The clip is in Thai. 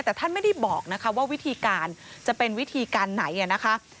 แต่ท่านไม่ได้บอกนะคะว่าวิธีการจะเป็นวิธีการไหนนะคะ